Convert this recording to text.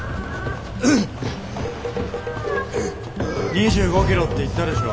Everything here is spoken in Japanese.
２５ｋｍって言ったでしょ。